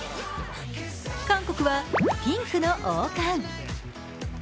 韓国は、ピンクの王冠。